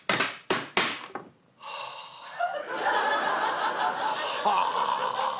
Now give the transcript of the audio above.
「はあはあ！